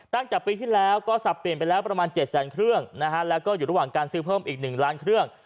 ตั้งแต่ปีที่แล้วก็สับเปลี่ยนไปแล้วประมาณ๗แสนเครื่องนะฮะแล้วก็อยู่ระหว่างการซื้อเพิ่มอีก๑ล้านเครื่อง